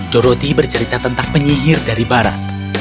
joroti bercerita tentang penyihir dari barat